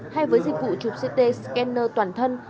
hay với dịch vụ chụp ct scanner toàn thân